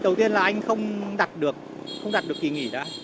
đầu tiên là anh không đặt được kỳ nghỉ đã